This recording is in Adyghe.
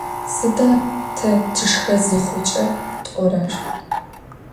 Sıda te tışşxe zıxhuç'e t'orer?